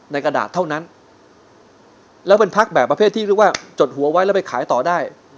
กระดาษเท่านั้นแล้วเป็นพักแบบประเภทที่เรียกว่าจดหัวไว้แล้วไปขายต่อได้